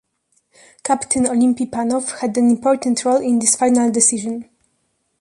Captain Olimpi Panov had an important role in this final decision.